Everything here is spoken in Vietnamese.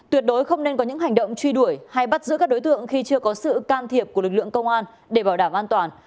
tuyệt đối không nên có những hành động truy đuổi hay bắt giữ các đối tượng khi chưa có sự can thiệp của lực lượng công an để bảo đảm an toàn